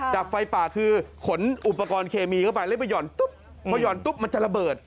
ดับไฟป่าคือขนอุปกรณ์เคมีเข้าไปแล้วไปห่อนตุ๊บพอหย่อนตุ๊บมันจะระเบิด